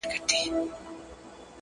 • چي تندي كي دي سجدې ورته ساتلې,